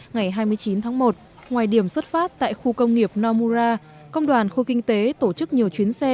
ngày hai mươi chín tháng một ngoài điểm xuất phát tại khu công nghiệp nomura công đoàn khu kinh tế tổ chức nhiều chuyến xe